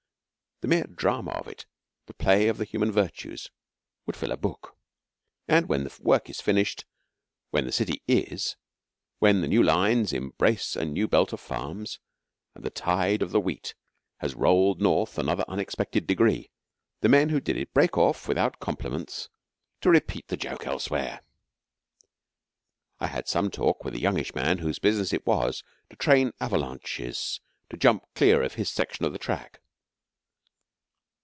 The mere drama of it, the play of the human virtues, would fill a book. And when the work is finished, when the city is, when the new lines embrace a new belt of farms, and the tide of the Wheat has rolled North another unexpected degree, the men who did it break off, without compliments, to repeat the joke elsewhere. I had some talk with a youngish man whose business it was to train avalanches to jump clear of his section of the track.